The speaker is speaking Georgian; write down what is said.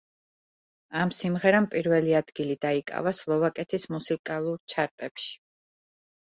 ამ სიმღერამ პირველი ადგილი დაიკავა სლოვაკეთის მუსიკალურ ჩარტებში.